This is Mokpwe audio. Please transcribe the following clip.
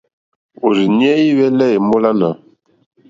Òrzìɲɛ́ î hwɛ́lɛ́ èmólánà.